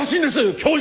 教授！